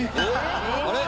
あれ？